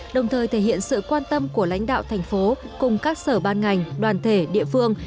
đồng thời thể hiện sự quan tâm của lãnh đạo thành phố cùng các sở ban ngành đoàn thể địa phương